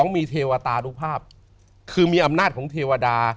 มีเทวตานุภาพคือมีอำนาจของเทวดา